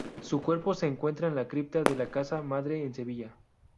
Su cuerpo se encuentra en la cripta de la casa madre en Sevilla.